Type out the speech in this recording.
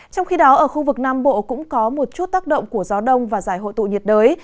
trong khi đó ở khu vực nam bộ cũng có một chút tác động của gió đông và giải hội tụ nhiệt đới